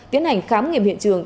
tiến hành khám nghiệm hiện trường